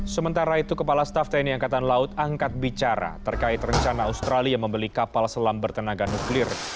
sementara itu kepala staff tni angkatan laut angkat bicara terkait rencana australia membeli kapal selam bertenaga nuklir